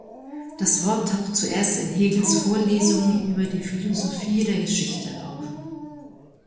Das Wort taucht zuerst in Hegels "Vorlesungen über die Philosophie der Geschichte" auf.